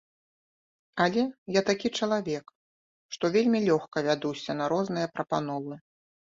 Але я такі чалавек, што вельмі лёгка вядуся на розныя прапановы.